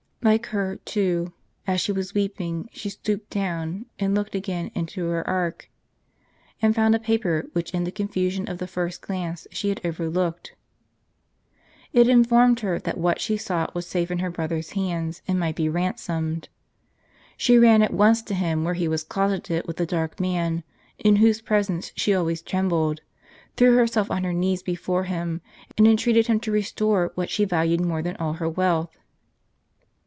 Like her, too, " as she was weep ing she stooped down and looked" again into her ark, and found a paper, which in the confusion of the first glance she had overlooked. It informed her that what she sought was safe in her brother's hands, and might be ransomed. She ran at. once to him, where he was closeted with the dark man, in whose presence she always trembled ; threw herself on her knees before him, and entreated him to restore what she valued more than all her wealth.